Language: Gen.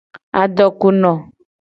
Adoku no.